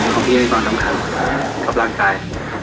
ขอพรีเก่งความสำคัญกับร่างกาย